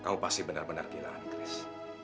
kamu pasti benar benar kehilangan kris